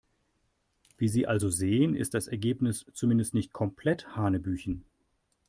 Wie Sie also sehen, ist das Ergebnis zumindest nicht komplett hanebüchen.